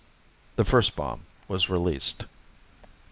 The first bomb was released.